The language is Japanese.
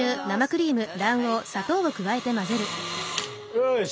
よし！